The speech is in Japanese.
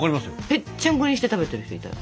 ぺっちゃんこにして食べてる人いたよ。